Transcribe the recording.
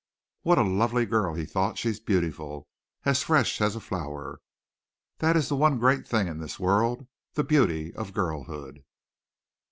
"What a lovely girl," he thought. "She's beautiful as fresh as a flower. That is the one great thing in the world the beauty of girlhood."